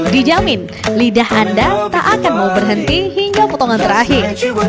dijamin lidah anda tak akan mau berhenti hingga potongan terakhir